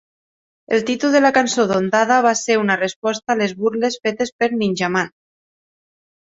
El títol de la cançó "Don Dada" va ser una resposta a les burles fetes per Ninjaman.